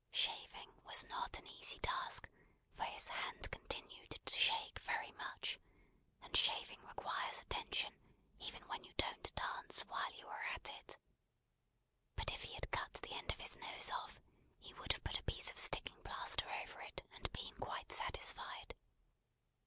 Shaving was not an easy task, for his hand continued to shake very much; and shaving requires attention, even when you don't dance while you are at it. But if he had cut the end of his nose off, he would have put a piece of sticking plaister over it, and been quite satisfied.